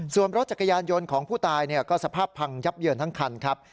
ส่วนรถจักรยานยนต์ของผู้ตายก็สภาพพังยับเยินทั้งคันครับ